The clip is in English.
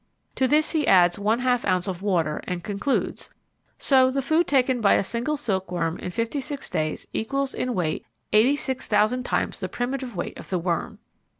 To this he adds one half ounce of water and concludes: "So the food taken by a single silkworm in fifty six days equals in weight eighty six thousand times the primitive weight of the worm."